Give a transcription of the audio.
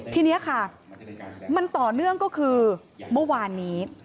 ทีนี้ค่ะมันต่อเนื่องก็คือเมื่อวานนี้